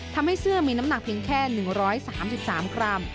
ทำให้เสื้อมีน้ำหนักเพียงแค่๑๓๓กรัม